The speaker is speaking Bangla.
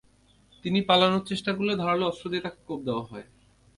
তিনি পালানোর চেষ্টা করলে ধারালো অস্ত্র দিয়ে তাঁকে কোপ দেওয়া হয়।